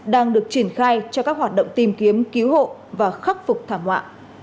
đang được triển khai cho các hoạt động tìm kiếm cứu hộ và khắc phục thảm họa